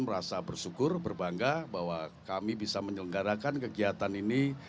merasa bersyukur berbangga bahwa kami bisa menyelenggarakan kegiatan ini